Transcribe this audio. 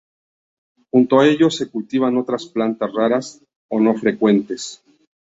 Junto a ellos se cultivan otras plantas raras o no frecuentes.